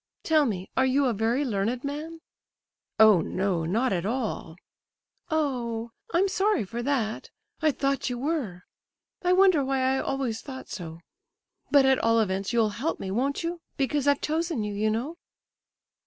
Tell me, are you a very learned man?" "Oh no; not at all." "Oh h h! I'm sorry for that. I thought you were. I wonder why I always thought so—but at all events you'll help me, won't you? Because I've chosen you, you know."